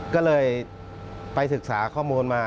ก็เลยไปศึกษาข้อมูลมา